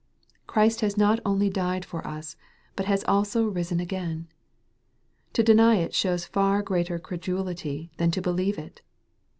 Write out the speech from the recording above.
Christ has not only died for us, but has also risen again. To deny it shows far greater credulity than to believe it.